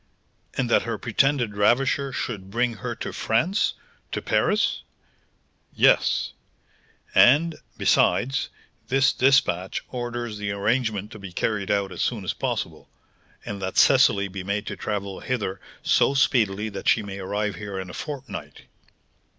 "And that her pretended ravisher should bring her to France, to Paris?" "Yes; and, besides, this despatch orders the arrangement to be carried out as soon as possible, and that Cecily be made to travel hither so speedily that she may arrive here in a fortnight."